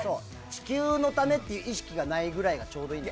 地球のためっていう意識がないぐらいがちょうどいい。